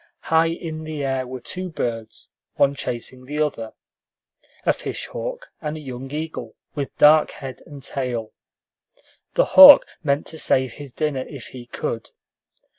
High in the air were two birds, one chasing the other, a fish hawk and a young eagle with dark head and tail. The hawk meant to save his dinner if he could.